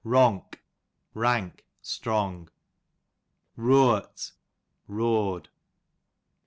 Ronk, rank^ strong. Rooart, roared.